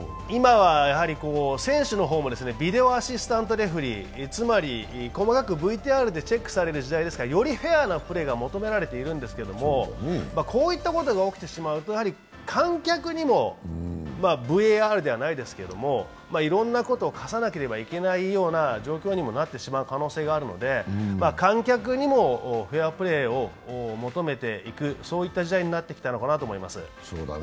今は選手の方もビデオアシスタントレフェリー、つまり細かくＶＴＲでチェックされる時代ですからよりフェアなプレーが求められているんですけれどもこういったことが起きてしまうと観客にもＶＡＲじゃないですけど、いろんなことを科さなければいけないような状況にもなってしまう可能性があるので、観客にもフェアプレーを求めていく、そういった時代になってきたのではないかと思います。